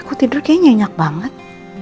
aku tidur kayaknya nyenyak banget